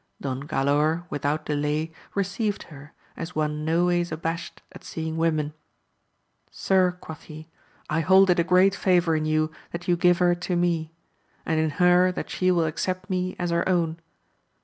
Don Galaor, without delay, received her, as one noways abashed at seeing women. Sir, quoth he, I hold it a great favour in you that you give her to me, and in her that she will accept me as her own.